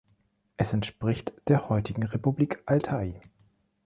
Es entspricht der heutigen Republik Altai.